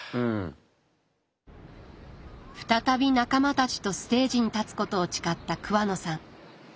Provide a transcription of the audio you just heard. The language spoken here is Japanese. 再び仲間たちとステージに立つことを誓った桑野さん。